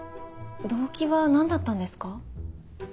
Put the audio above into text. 動機は何だったんですか？